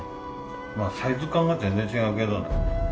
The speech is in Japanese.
まあサイズ感が全然違うけどな。